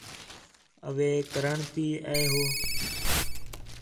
اوے کرسݨ تی اے ہو